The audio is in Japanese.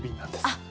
あっ。